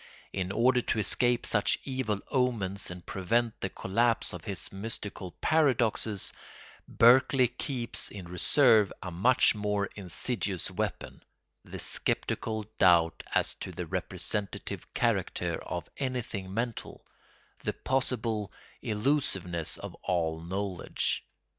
In order to escape such evil omens and prevent the collapse of his mystical paradoxes, Berkeley keeps in reserve a much more insidious weapon, the sceptical doubt as to the representative character of anything mental, the possible illusiveness of all knowledge.